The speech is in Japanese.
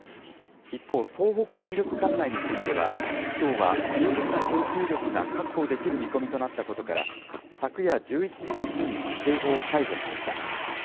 一方、東北電力管内については、きょうは十分な供給力が確保できる見込みとなったことから、昨夜１１時過ぎに警報を解除しました。